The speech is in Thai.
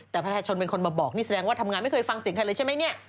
แต่ประชาชนเป็นคนมาบอกนี่แสดงว่าทำงานไม่เคยฟังเสียงใครเลยใช่ไหมเนี่ย